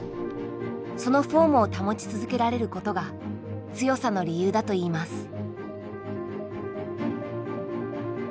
そのフォームを保ち続けられることが強さの理由だといいます。